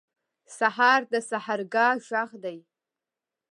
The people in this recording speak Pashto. سهار د سحرګاه غږ دی.